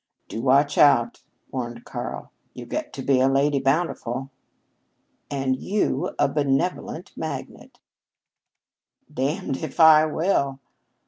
"Do watch out," warned Karl; "you'll get to be a Lady Bountiful " "And you a benevolent magnate " "Damned if I will!